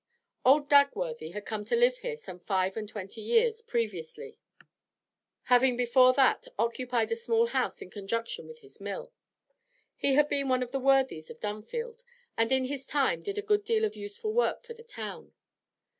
Old Dagworthy had come to live here some five and twenty years previously, having before that occupied a small house in conjunction with his mill. He had been one of the 'worthies' of Dunfield, and in his time did a good deal of useful work for the town.